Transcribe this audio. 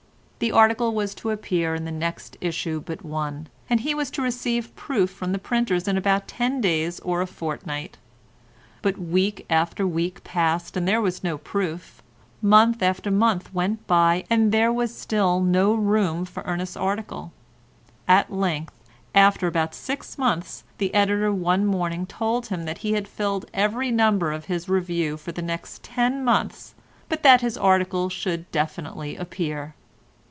The article was to appear in the next issue but one, and he was to receive proof from the printers in about ten days or a fortnight; but week after week passed and there was no proof; month after month went by and there was still no room for Ernest's article; at length after about six months the editor one morning told him that he had filled every number of his review for the next ten months, but that his article should definitely appear.